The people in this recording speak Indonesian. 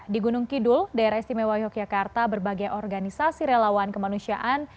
di gunung kidul daerah istimewa yogyakarta berbagai organisasi relawan kemanusiaan